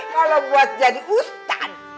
kalau buat jadi ustadz